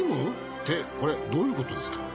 ってこれどういうことですか？